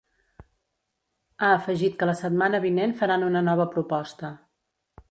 Ha afegit que la setmana vinent faran una nova proposta.